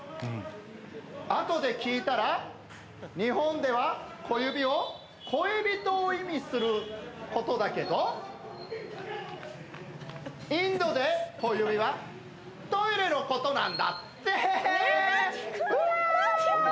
あとで聞いたら、日本では小指を恋人を意味することだけど、インドで小指は、トイレのことなんだってー。